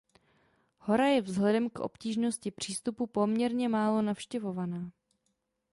Hora je vzhledem k obtížnosti přístupu poměrně málo navštěvována.